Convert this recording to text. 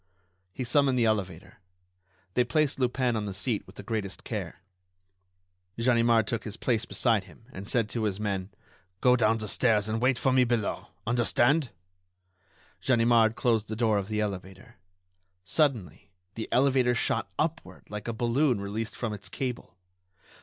He summoned the elevator. They placed Lupin on the seat with the greatest care. Ganimard took his place beside him and said to his men: "Go down the stairs and wait for me below. Understand?" Ganimard closed the door of the elevator. Suddenly the elevator shot upward like a balloon released from its cable.